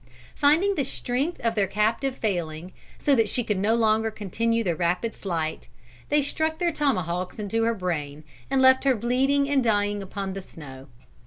Finding the strength of their captive failing, so that she could no longer continue the rapid flight, they struck their tomahawks into her brain, and left her bleeding and dying upon the snow.